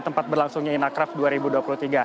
tempat berlangsungnya inacraft dua ribu dua puluh tiga